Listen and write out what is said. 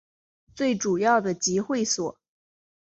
最主要的集会所